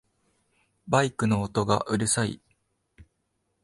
バイクの音がうるさい